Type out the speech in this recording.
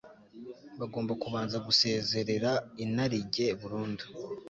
bagomba kubanza gusezerera inarijye burundu